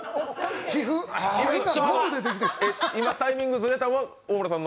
今、タイミングずれたのは大村さんの？